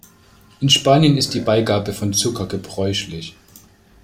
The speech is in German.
In Spanien ist die Beigabe von Zucker gebräuchlich.